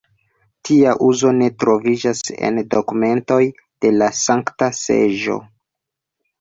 Tia uzo ne troviĝas en dokumentoj de la Sankta Seĝo.